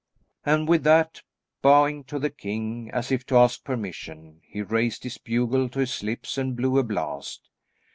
And with that, bowing to the king as if to ask permission, he raised his bugle to his lips and blew a blast.